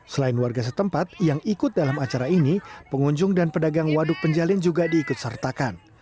selain warga setempat yang ikut dalam acara ini pengunjung dan pedagang waduk penjalin juga diikut sertakan